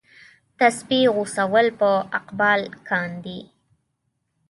تسپې غوڅول په اقبال کاندي.